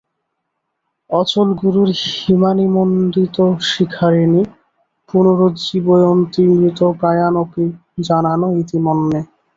অচলগুরোর্হিমানিমণ্ডিতশিখরাণি পুনরুজ্জীবয়ন্তি মৃতপ্রায়ানপি জনান ইতি মন্যে।